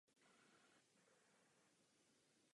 Dvě lokomotivy opouští i brněnské depo.